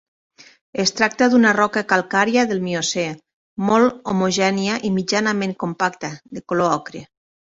Es tracta d'una roca calcària del Miocè, molt homogènia i mitjanament compacta, de color ocre.